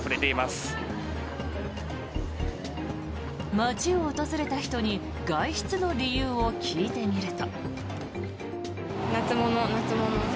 街を訪れた人に外出の理由を聞いてみると。